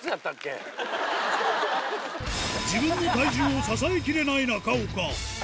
自分の体重を支えきれない中岡。